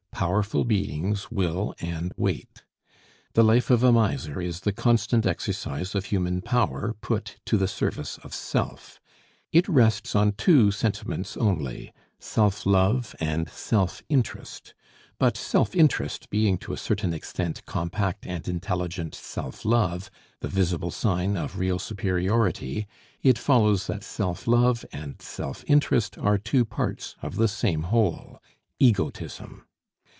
Powerful beings will and wait. The life of a miser is the constant exercise of human power put to the service of self. It rests on two sentiments only, self love and self interest; but self interest being to a certain extent compact and intelligent self love, the visible sign of real superiority, it follows that self love and self interest are two parts of the same whole, egotism.